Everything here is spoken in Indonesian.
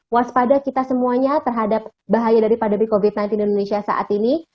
waspada kita semuanya terhadap bahaya dari pandemi covid sembilan belas di indonesia saat ini